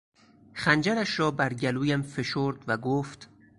خنجرش را بر گلویم فشرد و گفت...